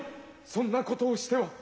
そんなことをしては。